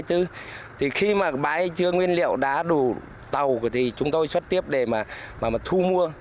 thì khi mà bãi chưa nguyên liệu đá đủ tàu thì chúng tôi xuất tiếp để mà thu mua